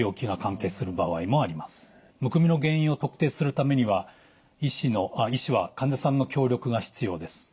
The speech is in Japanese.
むくみの原因を特定するためには医師は患者さんの協力が必要です。